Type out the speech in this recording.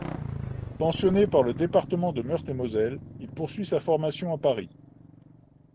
Pensionné par le département de Meurthe-et-Moselle, il poursuit sa formation à Paris.